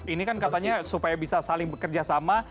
ini kan katanya supaya bisa saling bekerja sama